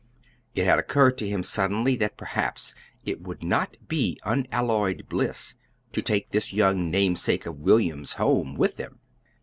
It had occurred to him suddenly that perhaps it would not be unalloyed bliss to take this young namesake of William's home with them.